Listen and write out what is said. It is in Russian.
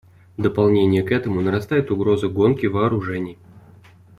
В дополнение к этому нарастает угроза гонки вооружений.